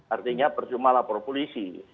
artinya percuma lapor polisi